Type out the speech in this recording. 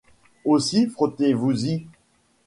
Aussi frottez-vous-y.